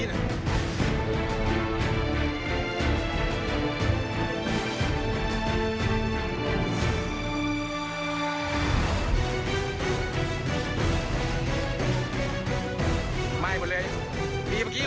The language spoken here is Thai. วันนั้นเมื่อเขาสระขัง